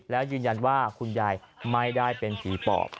แล้วยืนยันว่าคุณยายไม่ได้เป็นผีปอบ